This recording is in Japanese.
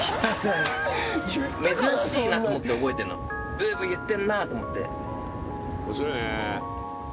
ブーブー言ってんなと思って。